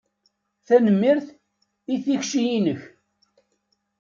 Tanemmirt i tikci-inek.